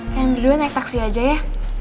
yang duluan naik taksi aja ya